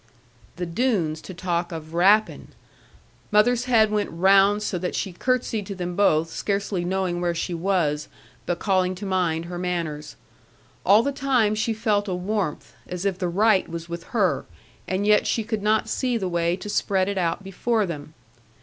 The Doones to talk of rapine! Mother's head went round so that she curtseyed to them both, scarcely knowing where she was, but calling to mind her manners. All the time she felt a warmth, as if the right was with her, and yet she could not see the way to spread it out before them.